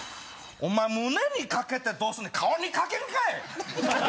お前胸にかけてどうすんねん顔にかけんかい！